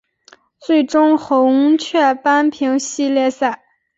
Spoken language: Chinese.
最终红雀扳平系列赛。